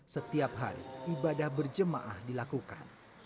setiap hari ibadah berjemaah dilakukan